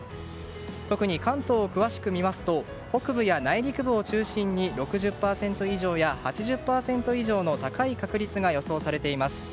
特に関東を詳しく見ますと北部や内陸部を中心に６０％以上や８０％以上の高い確率が予想されています。